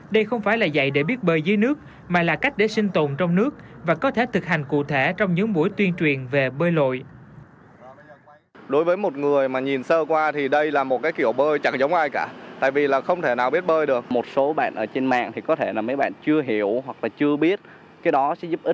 đây không phải là dạy để biết bơi dưới nước mà là cách để sinh tồn trong nước và có thể thực hành cụ thể trong những buổi tuyên truyền về bơi lội